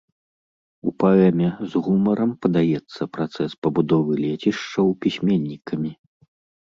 У паэме з гумарам падаецца працэс пабудовы лецішчаў пісьменнікамі.